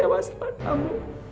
saya sangat kecewa soal kamu